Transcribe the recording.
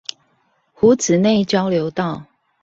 湖子內交流道